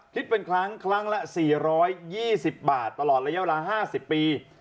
คิดเป็นครั้งครั้งละ๔๒๐บาทตลอดระยะเวลา๕๐ปี